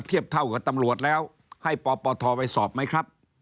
เทียบเท่ากับตำรวจแล้วให้ปปทไปสอบไหมครับ